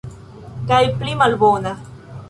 Kaj pli malbona.